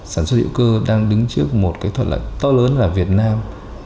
sản xuất hữu cơ đang đứng trước một cái thuận lợi to lớn là việt nam